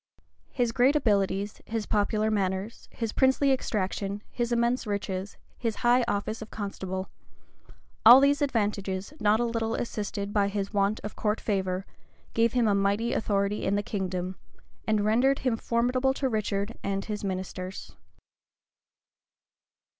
His great abilities, his popular manners, his princely extraction, his immense riches, his high office of constable;[*] all these advantages, not a little assisted by his want of court favor, gave him a mighty authority in the kingdom, and rendered him formidable to Richard and his ministers.